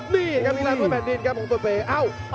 นี่ครับนี้นะครับท้วนแผ่ดดินครับตัวเป๋อ้าว